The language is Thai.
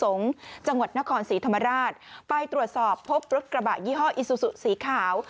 จังหวัดนครศรีธรรมราชไปตรวจสอบพบรถกระบะยี่ห้ออิซูซูสีขาว